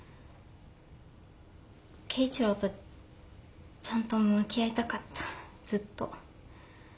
圭一郎とちゃんと向き合いたかったずっと。